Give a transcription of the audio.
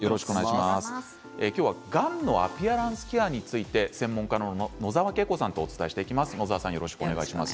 今日はがんのアピアランスケアについて専門家の野澤桂子さんとお伝えしていきます。